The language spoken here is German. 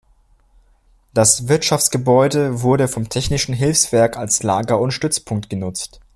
Das Wirtschaftsgebäude wurde vom Technischen Hilfswerk als Lager und Stützpunkt genutzt.